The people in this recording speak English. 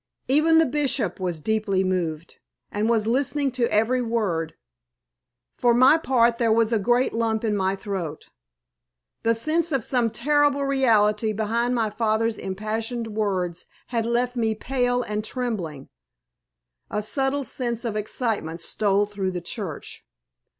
Even the Bishop was deeply moved, and was listening to every word. For my part there was a great lump in my throat. The sense of some terrible reality behind my father's impassioned words had left me pale and trembling. A subtle sense of excitement stole through the church.